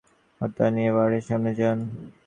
এ সময় ফজলু মিয়া তাঁর ঘর থেকে ছাতা নিয়ে বাড়ির সামনে যান।